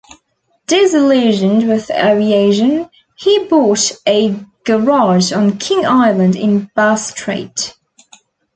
Disillusioned with aviation, he bought a garage on King Island in Bass Strait.